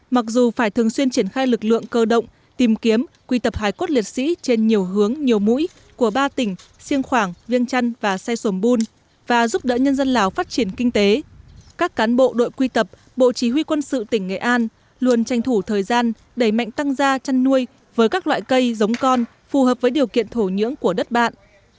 mặc dù phải thường xuyên triển khai lực lượng cơ động tìm kiếm quy tập hái cốt liệt sĩ trên nhiều hướng nhiều mũi của ba tỉnh siêng khoảng viêng chăn và say xồm bùn và giúp đỡ nhân dân lào phát triển kinh tế các cán bộ đội quy tập bộ chỉ huy quân sự tỉnh nghệ an luôn tranh thủ thời gian đẩy mạnh tăng gia chăn nuôi với các loại cây giống con phù hợp với điều kiện thổ nhưỡng của đất bạn